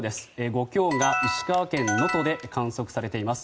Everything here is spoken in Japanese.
５強が石川県能登で観測されています。